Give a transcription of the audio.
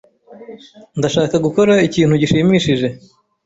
Ndashaka gukora ikintu gishimishije.